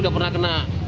ini ketakam lah